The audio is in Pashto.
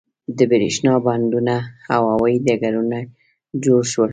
د بریښنا بندونه او هوایی ډګرونه جوړ شول.